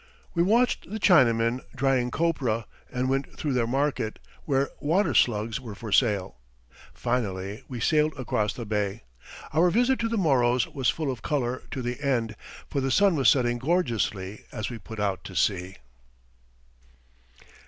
We watched the Chinamen drying copra, and went through their market, where water slugs were for sale. Finally, we sailed across the bay. Our visit to the Moros was full of colour to the end, for the sun was setting gorgeously as we put out to sea.